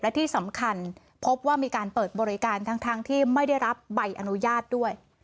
และที่สำคัญพบว่ามีการเปิดบริการทั้งที่ไม่ได้รับใบอนุญาตด้วย